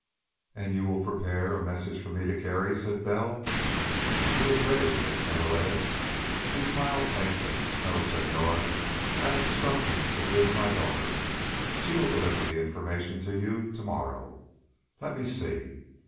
"And you will prepare a message for me to carry," said Bell. "It is ready," said Canalejas. He smiled faintly. "No, Senhor. I have instructions to give my daughter. She will deliver the information to you to morrow. Let me see.